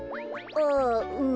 ああうん。